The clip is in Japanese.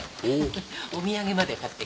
お土産まで買ってきて。